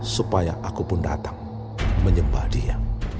supaya aku pun datang menyembah dia